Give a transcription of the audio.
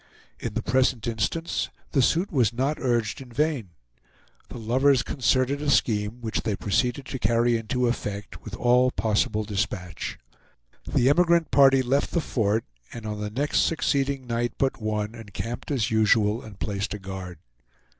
In the present instance, the suit was not urged in vain. The lovers concerted a scheme, which they proceeded to carry into effect with all possible dispatch. The emigrant party left the fort, and on the next succeeding night but one encamped as usual, and placed a guard.